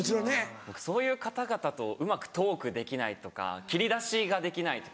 僕そういう方々とうまくトークできないとか切り出しができないとか。